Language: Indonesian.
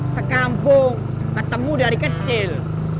sekampung ketemu dari kecil